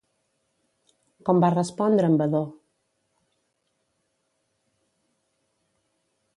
Com va respondre en Vadó?